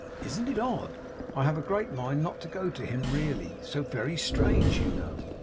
Isn't it odd? I have a great mind not to go to him really. So very strange, you know!